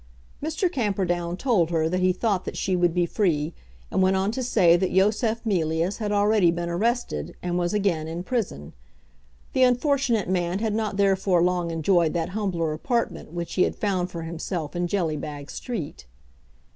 Mr. Camperdown told her that he thought that she would be free, and went on to say that Yosef Mealyus had already been arrested, and was again in prison. The unfortunate man had not therefore long enjoyed that humbler apartment which he had found for himself in Jellybag Street.